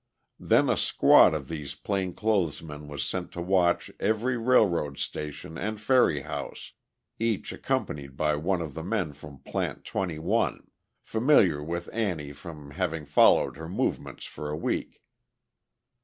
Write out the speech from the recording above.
Then a squad of these plain clothes men was sent to watch every railroad station and ferry house, each accompanied by one of the men from "Plant 21," familiar with Annie from having followed her movements for a week.